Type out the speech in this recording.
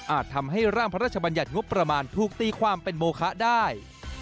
ทำให้ร่างพระราชบัญญัติงบประมาณถูกตีความเป็นโมคะได้